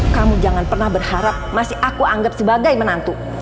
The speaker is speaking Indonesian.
kamu jangan pernah berharap masih aku anggap sebagai menantu